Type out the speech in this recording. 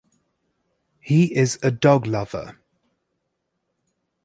He is a dog lover.